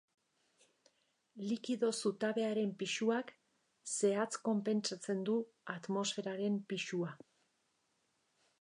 Likido zutabearen pisuak, zehatz konpentsatzen du atmosferaren pisua.